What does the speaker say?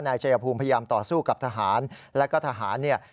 ชายภูมิพยายามต่อสู้กับทหารแล้วก็ทหารเนี่ย